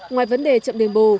ngoài vấn đề chậm đền bù